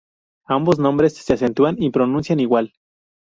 Ambos nombres se acentúan y pronuncian igual.